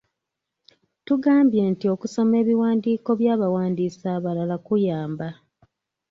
Tugambye nti okusoma ebiwandiiko by’abawandiisi abalala kuyamba.